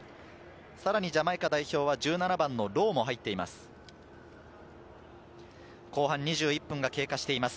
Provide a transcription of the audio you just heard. さらにジャマイカ代表は１７番のロウも入っています。